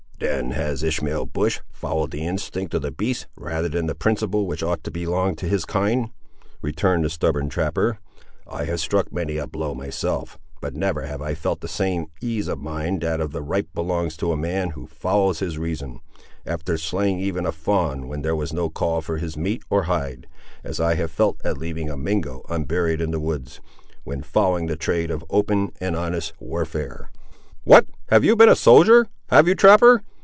"Then has Ishmael Bush followed the instinct of the beasts rather than the principle which ought to belong to his kind," returned the stubborn trapper. "I have struck many a blow myself, but never have I felt the same ease of mind that of right belongs to a man who follows his reason, after slaying even a fawn when there was no call for his meat or hide, as I have felt at leaving a Mingo unburied in the woods, when following the trade of open and honest warfare." "What, you have been a soldier, have you, trapper!